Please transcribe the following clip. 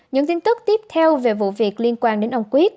những tin tức tiếp theo về vụ việc liên quan đến ông quyết